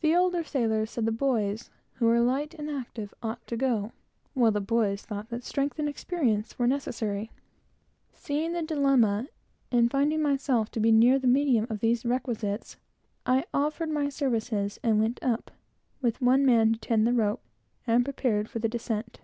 The older sailors said the boys, who were light and active, ought to go, while the boys thought that strength and experience were necessary. Seeing the dilemma, and feeling myself to be near the medium of these requisites, I offered my services, and went up, with one man to tend the rope, and prepared for the descent.